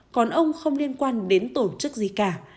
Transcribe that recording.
còn ông không liên quan đến tổ chức gì cả